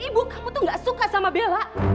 ibu kamu tuh gak suka sama bella